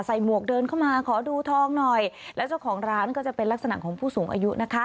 หมวกเดินเข้ามาขอดูทองหน่อยแล้วเจ้าของร้านก็จะเป็นลักษณะของผู้สูงอายุนะคะ